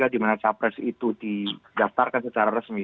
di mana capres itu didaftarkan secara resmi